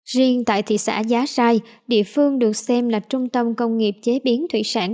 riêng tại thị xã giá sai địa phương được xem là trung tâm công nghiệp chế biến thủy sản